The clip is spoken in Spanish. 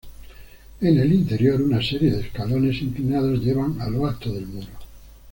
En el interior, una serie de escalones inclinados llevan a lo alto del muro.